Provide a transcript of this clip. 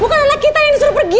bukan anak kita yang disuruh pergi